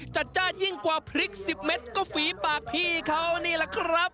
จ้านยิ่งกว่าพริก๑๐เม็ดก็ฝีปากพี่เขานี่แหละครับ